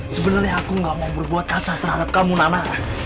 sebenernya aku gak mau berbuat kasar terhadap kamu nana